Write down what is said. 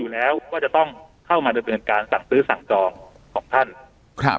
แล้วก็จะต้องเข้ามาดำเนินการสั่งซื้อสั่งจองของท่านครับ